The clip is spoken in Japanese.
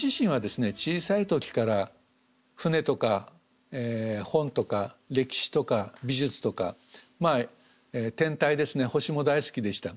小さい時から船とか本とか歴史とか美術とか天体ですね星も大好きでした。